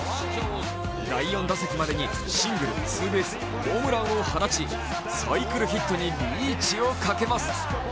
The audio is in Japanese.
第４打席までに、シングル、ツーベースホームランを放ち、サイクルヒットにリーチをかけます。